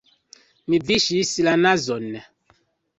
Mi viŝis la nazon.